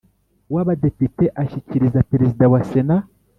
w Abadepite ashyikiriza Perezida wa Sena